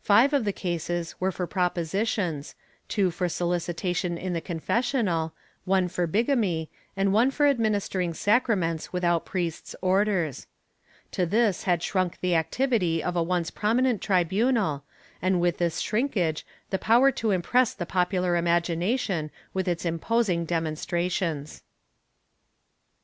Five of the cases were for propositions, two for solicitation in the confessional, one for bigamy, and one for administering sacraments without priests' orders/ To this had shrunk the activity of a once prominent tribunal and with this shrinkage the power to impress the popular imagination with its imposing demonstrations.